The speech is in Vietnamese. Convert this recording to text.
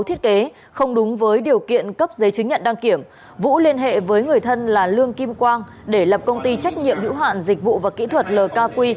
thiết kế không đúng với điều kiện cấp giấy chứng nhận đăng kiểm vũ liên hệ với người thân là lương kim quang để lập công ty trách nhiệm hữu hạn dịch vụ và kỹ thuật lk